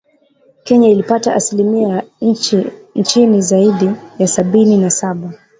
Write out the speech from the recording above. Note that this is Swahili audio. Kenya ilipata asilimia ya chini zaidi ya Sabini na saba